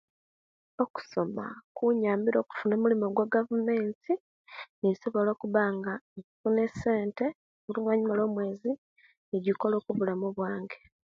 Okusoma kunyambire okufuna omulimu gwa'gavumenti, ninsobola okubanga nfuna esente, oluvaanyuma lwo'mweezi, nijjikola kubulamu bwange.